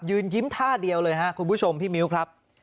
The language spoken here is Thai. ยิ้มท่าเดียวเลยครับคุณผู้ชมพี่มิ้วครับ